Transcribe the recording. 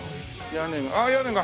屋根が。